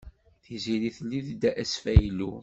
Tiziri telli-d asfaylu.